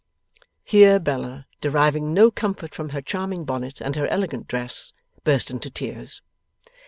Here Bella, deriving no comfort from her charming bonnet and her elegant dress, burst into tears.